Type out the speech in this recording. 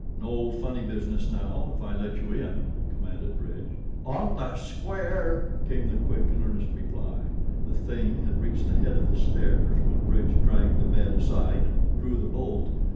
"No funny business, now, if I let you in," commanded Bridge. "On the square," came the quick and earnest reply. The THING had reached the head of the stairs when Bridge dragged the bed aside and drew the bolt.